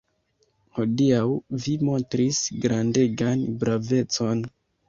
Hodiaŭ vi montris grandegan bravecon.